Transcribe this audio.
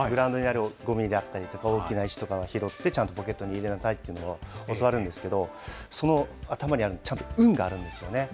グラウンドにあるごみであったりとか、石とかを拾って、ちゃんとポケットに入れなさいというのを教わるんですけど、その頭にあるのが、意味があるんですよね。